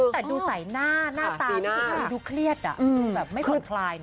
แต่ดูใส่หน้าหน้าตาดูเครียดดูแบบไม่ผ่อนคลายนะ